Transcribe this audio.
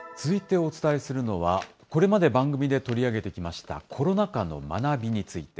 お伝えするのは、これまで番組で取り上げてきましたコロナ禍の学びについて。